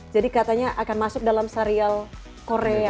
jadi katanya akan masuk dalam serial korea